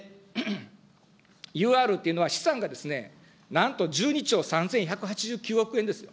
ＵＲっていうのは、資産がですね、なんと１２兆３０８９億円です。